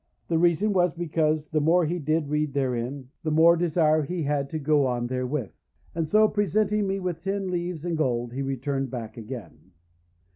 The reason was because that the more he did read therein, the more desire he had to go on therewith; and so, presenting me with ten livres in gold, he returned back again.